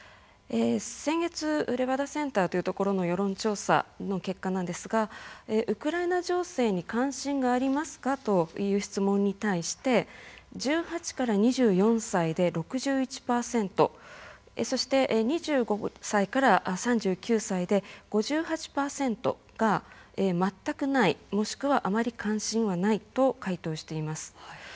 先月のレバダセンターの調査結果によりますとウクライナ情勢に関心がありますかという質問に対して１８歳から２４歳で６１％そして２５歳から３９歳で５８％全くない、もしくはあまり関心がないと回答しています。